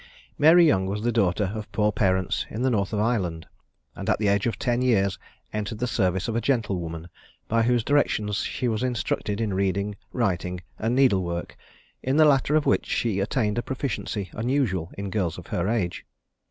Mary Young was the daughter of poor parents in the north of Ireland; and at the age of ten years entered the service of a gentlewoman, by whose directions she was instructed in reading, writing, and needle work, in the latter of which she attained a proficiency unusual in girls of her age.